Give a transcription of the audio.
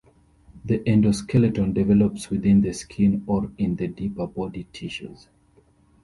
The endoskeleton develops within the skin or in the deeper body tissues.